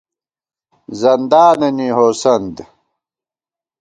زندانَنی ہوسَند